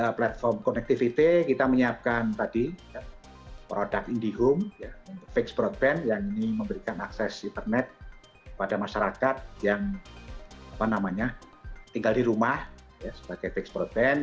platform connectivity kita menyiapkan tadi produk indihome fixed broadband yang ini memberikan akses internet pada masyarakat yang tinggal di rumah sebagai fixed broadband